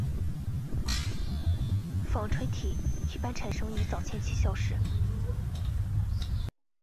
纺锤体一般产生于早前期消失。